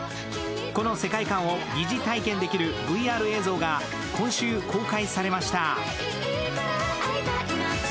この世界観を疑似体験できるＶＲ映像が今週、公開されました。